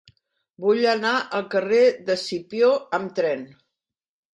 Vull anar al carrer d'Escipió amb tren.